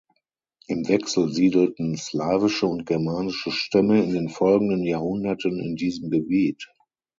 Im Wechsel siedelten slawische und germanische Stämme in den folgenden Jahrhunderten in diesem Gebiet.